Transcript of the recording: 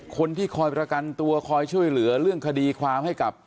คนที่คอยประกันตัวคอยช่วยเหลือเรื่องคดีความให้กับ